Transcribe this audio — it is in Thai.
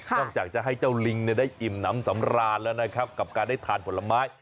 จากจะให้เจ้าลิงได้อิ่มน้ำสำราญแล้วนะครับกับการได้ทานผลไม้